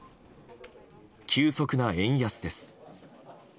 急速な円安です。